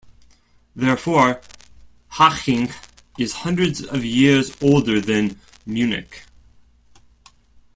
Therefore, Haching is hundreds of years older than Munich.